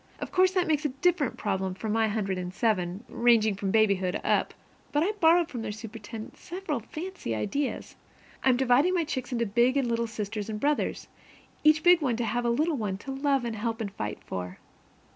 Of course that makes a very different problem from my hundred and seven, ranging from babyhood up. But I borrowed from their superintendent several very fancy ideas. I'm dividing my chicks into big and little sisters and brothers, each big one to have a little one to love and help and fight for.